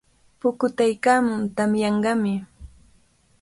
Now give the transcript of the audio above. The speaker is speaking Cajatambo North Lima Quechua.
Pukutaykaamun, tamyanqami.